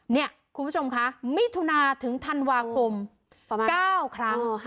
นี่คุณผู้ชมคะมิถุนาถึงธันวาคม๙ครั้ง